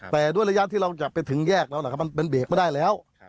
แต่ด้วยระยะที่เราจะไปถึงแยกแล้วนะครับมันเบรกไม่ได้แล้ว